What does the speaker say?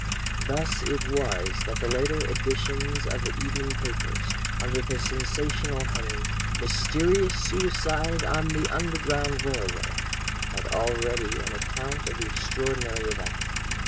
"Thus it was that the later editions of the evening papers, under the sensational heading, 'Mysterious Suicide on the Underground Railway,' had already an account of the extraordinary event.